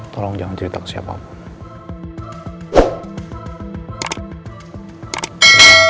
tolong jangan cerita ke siapapun